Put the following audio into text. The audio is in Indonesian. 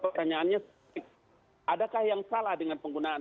pertanyaannya adakah yang salah dengan penggunaan